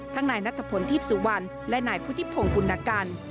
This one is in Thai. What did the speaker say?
ทั้งนายนัทพลธิพศุวรรณและนายพุทธิพภงคุณกัน